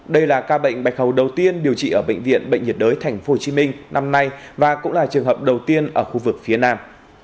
đây là ca bệnh bạch hầu đầu tiên điều trị ở bệnh viện bệnh nhiệt đới tp hcm năm nay và cũng là trường hợp đầu tiên ở khu vực phía nam